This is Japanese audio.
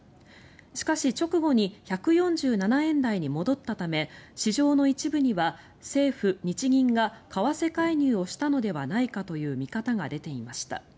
しかし、直後に１４７円台に戻ったため市場の一部には政府・日銀が為替介入をしたのではないかという見方が出ていました。